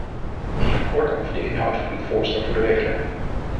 Even kort over de inhoud van het voorstel voor de richtlijn.